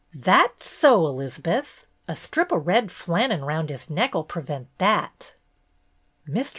"That 's so, 'Liz'beth. A strip o' red flan nen 'round his neck 'll prevent that." Mr.